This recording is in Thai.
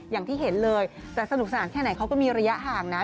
อย่างที่เห็นเลยแต่สนุกสนานแค่ไหนเขาก็มีระยะห่างนะ